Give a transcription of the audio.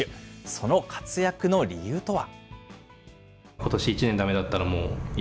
その活躍の理由とは。